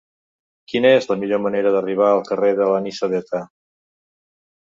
Quina és la millor manera d'arribar al carrer de l'Anisadeta?